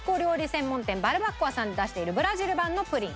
専門店バルバッコアさんで出しているブラジル版のプリン